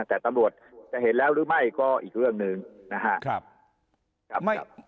แต่ตำรวจจะเห็นแล้วหรือไม่ก็อีกเรื่องหนึ่งนะครับ